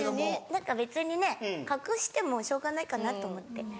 何か別にね隠してもしょうがないかなと思って。